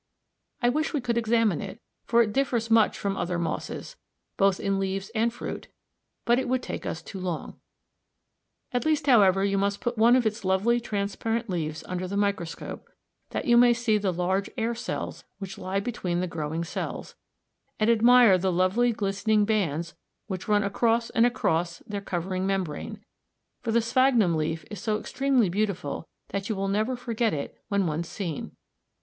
I wish we could examine it, for it differs much from other mosses, both in leaves and fruit, but it would take us too long. At least, however, you must put one of its lovely transparent leaves under the microscope, that you may see the large air cells which lie between the growing cells, and admire the lovely glistening bands which run across and across their covering membrane, for the sphagnum leaf is so extremely beautiful that you will never forget it when once seen.